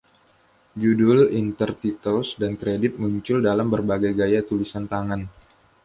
Judul, intertitles, dan kredit muncul dalam berbagai gaya tulisan tangan.